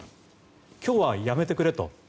今日はやめてくれと。